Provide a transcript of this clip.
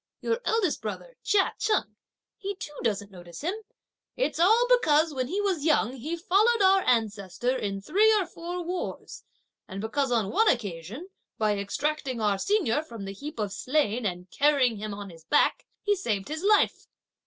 your eldest brother, Chia Cheng, he too doesn't notice him. It's all because when he was young he followed our ancestor in three or four wars, and because on one occasion, by extracting our senior from the heap of slain and carrying him on his back, he saved his life.